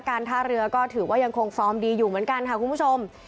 การท่าเรือก็ถือว่ายังคงฟอร์มดีอยู่เหมือนกันค่ะคุณผู้ชม